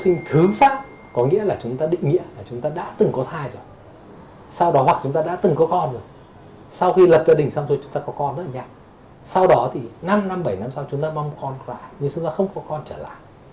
năm năm bảy năm sau chúng ta mong con lại nhưng chúng ta không có con trở lại